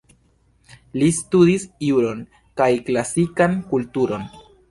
Li studis juron, kaj klasikan kulturon.